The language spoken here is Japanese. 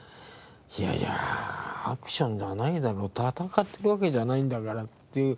「いやいやアクションではないだろ戦ってるわけじゃないんだから」っていう。